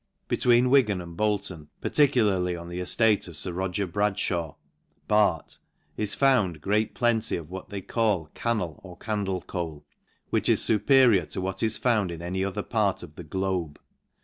Between Wigan and Bolton, particularly on the eftate of Sir Roger Bradjhaigh, Bart, is found, great plenty of what they call Canelox Candle Coal, which is fuperior to what is found in any other part of the globe.